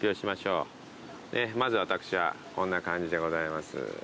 まず私はこんな感じでございます。